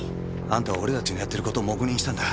あんたは俺たちのやってる事を黙認したんだ。